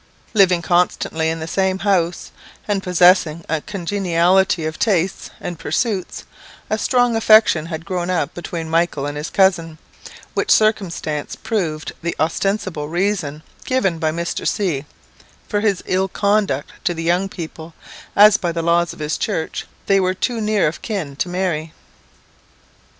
"Living constantly in the same house, and possessing a congeniality of tastes and pursuits, a strong affection had grown up between Michael and his cousin, which circumstance proved the ostensible reason given by Mr. C for his ill conduct to the young people, as by the laws of his church they were too near of kin to marry.